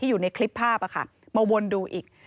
ที่อยู่ในคลิปภาพค่ะมาวนดูอีก